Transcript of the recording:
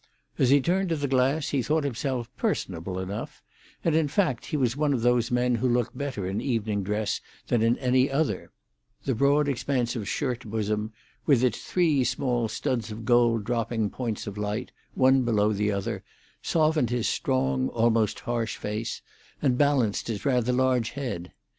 As he turned to the glass he thought himself personable enough, and in fact he was one of those men who look better in evening dress than in any other: the broad expanse of shirt bosom, with its three small studs of gold dropping, points of light, one below the other, softened his strong, almost harsh face, and balanced his rather large head.